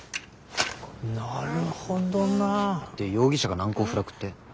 なるほどな。で容疑者が難攻不落って？